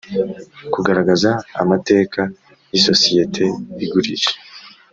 Kugaragaza amateka y isosiyete igurisha